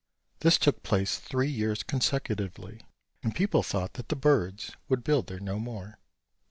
This took place three years consecutively, and people thought the birds would build there no more.